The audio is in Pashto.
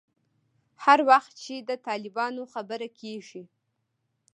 هر وخت چې د طالبانو خبره کېږي.